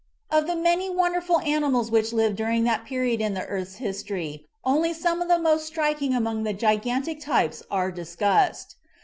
Of the many wonderful animals which lived during that period in the earth's history only some of the most striking among the gigantic types are discussed.